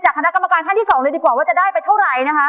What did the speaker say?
จากคณะกรรมการค่าที่๒เลยดีกว่าว่าจะได้ไปเท่าไร